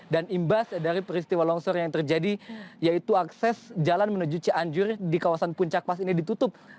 imbas dari peristiwa longsor yang terjadi yaitu akses jalan menuju cianjur di kawasan puncak pas ini ditutup